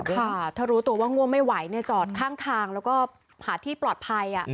ค่ะถ้ารู้ตัวว่าง่วงไม่ไหวจอดข้างทางแล้วก็หาที่ปลอดภัย